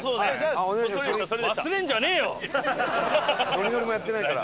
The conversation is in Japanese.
「のりのり」もやってないから。